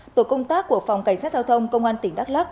tổ công tác của phòng cảnh sát giao thông công an tỉnh đắk lắc